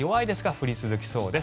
降り続きそうです。